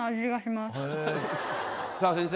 さぁ先生。